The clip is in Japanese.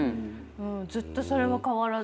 ずっとそれは変わらず。